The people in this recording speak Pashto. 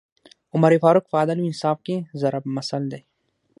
عمر فاروق په عدل او انصاف کي ضَرب مثل دی